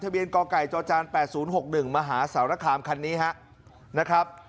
ทะเบียนก่อไก่จอจานแปดศูนย์หกหนึ่งมหาเสาระคามคันนี้ฮะนะครับ